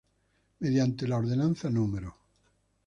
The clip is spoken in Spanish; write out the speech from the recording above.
Mediante la Ordenanza No.